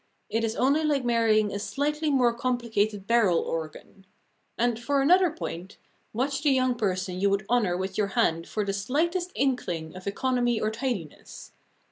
It is only like marrying a slightly more complicated barrel organ. And, for another point, watch the young person you would honour with your hand for the slightest inkling of economy or tidiness.